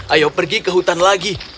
ayo pergi ke hutan lagi